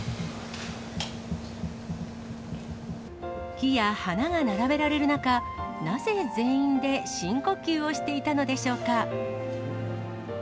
木や花が並べられる中、なぜ全員で深呼吸をしていたのでしょうか。